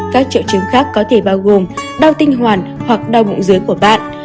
các triệu chứng khác có thể bao gồm đau tinh hoàn hoặc đau bụng dưới của bạn